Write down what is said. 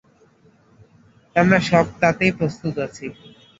আমরা সব-তাতেই প্রস্তুত আছি।